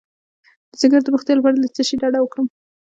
د ځیګر د روغتیا لپاره له څه شي ډډه وکړم؟